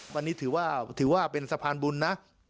วันนี้ถือว่าเป็นสะพานบุญนะ